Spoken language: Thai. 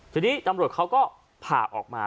ทีนี้ตำรวจเขาก็ผ่าออกมา